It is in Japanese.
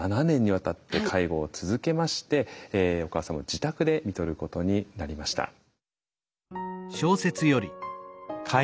７年にわたって介護を続けましてお母様を自宅でみとることになりました。